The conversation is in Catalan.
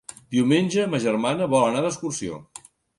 Diumenge ma germana vol anar d'excursió.